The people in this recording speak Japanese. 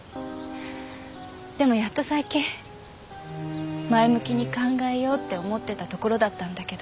でもやっと最近前向きに考えようって思ってたところだったんだけど。